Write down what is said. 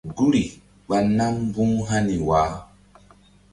Guri ɓa nam mbu̧h hani wah.